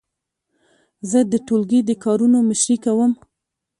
زه د ټولګي د کارونو مشري کوم.